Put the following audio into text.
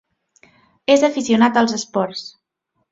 És aficionat als esports.